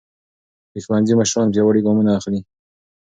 د ښوونځي مشران پیاوړي ګامونه اخلي.